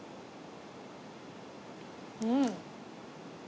うん。